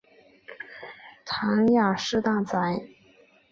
谭雅士大宅。